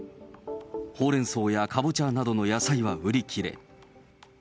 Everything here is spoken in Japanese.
ほうれんそうやかぼちゃなどの野菜は売り切れ。